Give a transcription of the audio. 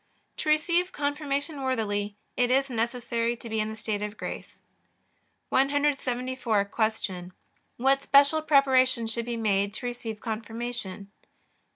To receive Confirmation worthily it is necessary to be in the state of grace. 174. Q. What special preparation should be made to receive Confirmation?